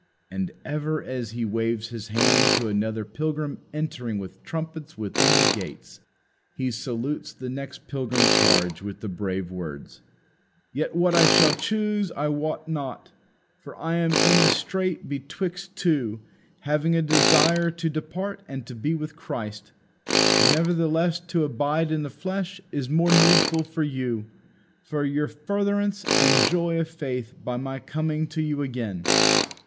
And, ever as he waves his hand to another pilgrim entering with trumpets within the gates, he salutes his next pilgrim charge with the brave words: "Yet what I shall choose I wot not. For I am in a strait betwixt two: having a desire to depart and to be with Christ. Nevertheless to abide in the flesh is more needful for you, for your furtherance and joy of faith by my coming to you again."